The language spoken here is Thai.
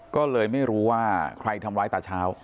ก็เลยไม่รู้ว่าใครทำร้ายตาเช้า